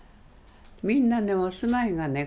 みんなねお住まいがね